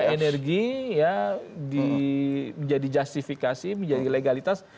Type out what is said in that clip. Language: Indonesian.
energi ya menjadi justifikasi menjadi legalitas